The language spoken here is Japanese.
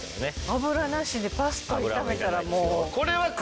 油なしでパスタ炒めたらもう。